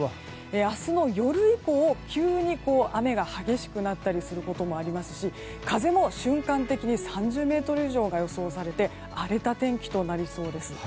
明日の夜以降、急に雨が激しくなったりすることもありますし風も瞬間的に３０メートル以上が予想されて荒れた天気となりそうです。